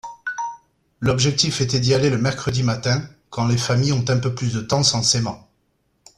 l'objectif était d'y aller le mercredi matin quand les familles ont un peu plus de temps censément.